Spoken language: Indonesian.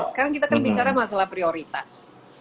sekarang kita kan bicara masalah prioritas